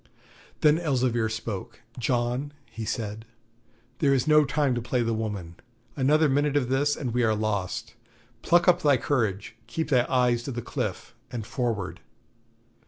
Then Elzevir spoke. 'John' he said, 'there is no time to play the woman; another minute of this and we are lost. Pluck up thy courage, keep thy eyes to the cliff, and forward.'